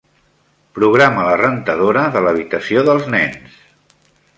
Programa la rentadora de l'habitació dels nens.